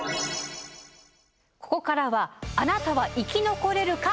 ここからは「あなたは生き残れるか！？